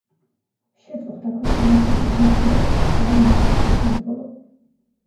შეწუხდა ქვეყანა ქურდის მოქმედებით და ყველა მის სიკვდილს ნატრულობდა.